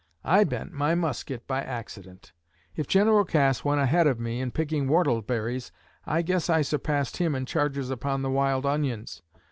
I bent my musket by accident. If General Cass went ahead of me in picking whortleberries, I guess I surpassed him in charges upon the wild onions.